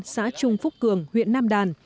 xã trung phúc cường huyện nam đàn